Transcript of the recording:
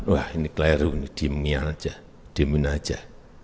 wah ini keleru dimial aja dimun aja